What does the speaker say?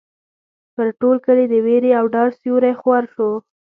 پر ټول کلي د وېرې او ډار سیوری خور شو.